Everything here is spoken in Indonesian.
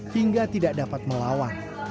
hingga tidak dapat melawan